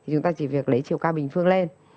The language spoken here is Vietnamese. chúng ta chỉ việc lấy chiều ca bình phương lên